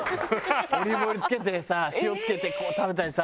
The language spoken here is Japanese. オリーブオイルつけてさ塩つけてこう食べたりさ。